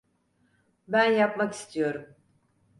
Ben yapmak istiyorum.